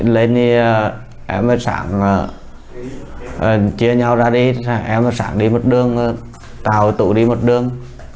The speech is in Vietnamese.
lên em và sản chia nhau ra đi em và sản đi một đường tàu và tụ đi một đường